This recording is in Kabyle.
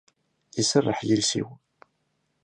Iserreḥ yiles-iw.